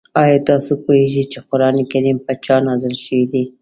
آیا تاسو پوهېږئ چې قرآن کریم په چا نازل شوی دی؟